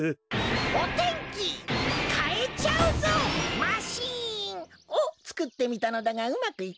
お天気かえちゃうぞマシーン！をつくってみたのだがうまくいかなかったのだ。